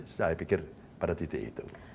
saya pikir pada titik itu